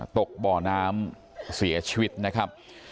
ตกบ่อน้ำเสียชีวิตนะครับ